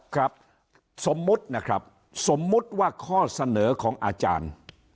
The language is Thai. ครับสมมุตินะครับสมมุติว่าข้อเสนอของอาจารย์